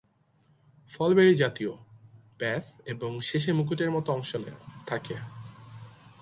ফল berry জাতীয়, ব্যাস এবং শেষে মুকুটের মত অংশ থাকে।